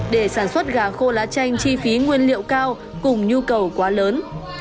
để sản xuất gà khô lá chanh chi phí nguyên liệu cao cùng nhu cầu quá lớn